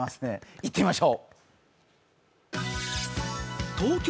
いってみましょう！